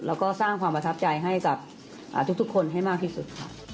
แล้วก็สร้างความประทับใจให้กับทุกคนให้มากที่สุดค่ะ